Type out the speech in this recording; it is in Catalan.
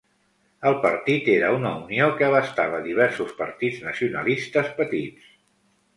El partit era una unió que abastava diversos partits nacionalistes petits.